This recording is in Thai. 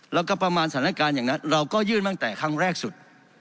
แล้วก็ประมาณสถานการณ์อย่างนั้นเราก็ยื่นตั้งแต่ครั้งแรกสุด